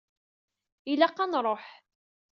Ilaq ad nṛuḥ.